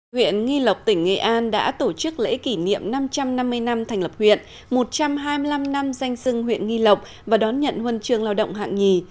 huyện nghi lộc tỉnh nghệ an đã tổ chức lễ kỷ niệm năm trăm năm mươi năm thành lập huyện một trăm hai mươi năm năm danh sưng huyện nghi lộc và đón nhận huân trường lao động hạng nhì